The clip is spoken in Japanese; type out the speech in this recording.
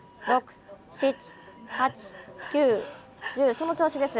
・☎その調子です。